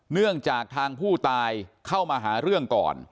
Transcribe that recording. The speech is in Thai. เนื่องจากทางผู้ตายเข้ามาหาเรื่องก่อน